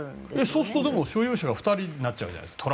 そうすると所有者が２人になっちゃうじゃないですか。